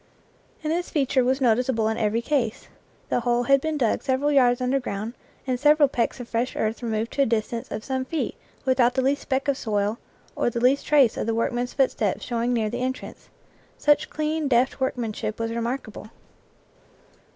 And this feature was noticeable in every case; the hole had been dug several yards under ground and several pecks of fresh earth removed to a distance of some feet without the least speck of soil or the least trace of the workman's footsteps showing near the entrance; such clean, deft workmanship was remark able.